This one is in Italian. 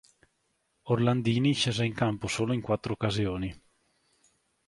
Orlandini scese in campo solo in quattro occasioni.